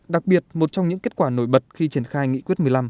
đặc biệt một trong những kết quả nổi bật khi triển khai nghị quyết một mươi năm